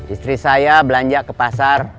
istri saya belanja ke pasar